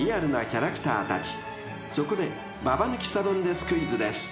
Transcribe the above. ［そこでババ抜きサドンデスクイズです］